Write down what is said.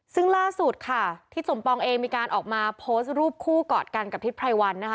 ซึ่งล่าสุดค่ะทิศสมปองเองมีการออกมาโพสต์รูปคู่กอดกันกับทิศไพรวันนะคะ